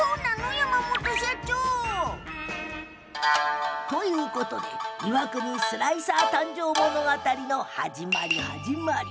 山本社長。ということで岩国スライサー誕生物語の始まり、始まり。